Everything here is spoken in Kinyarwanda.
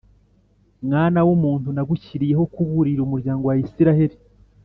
Mwana w’umuntu, nagushyiriyeho kuburira umuryango wa Israheli